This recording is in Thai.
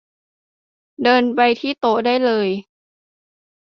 เดินไปที่โต๊ะได้เลย